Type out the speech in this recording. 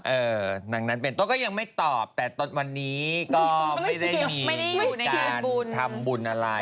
ดังนั้นเป็นโต๊ะก็ยังไม่ตอบแต่วันนี้ก็ไม่ได้มีการทำบุญอะไร